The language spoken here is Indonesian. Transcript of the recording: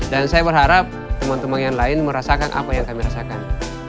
dan saya berharap teman teman yang lain merasakan apa yang kami rasakan